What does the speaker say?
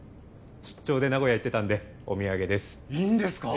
出張で名古屋行ってたんでお土産ですいいんですか？